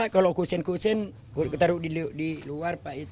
kalau kusin kusin taruh di luar pak